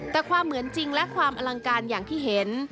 แต่ความเหมือนจริงและความอลังการอย่างที่เห็น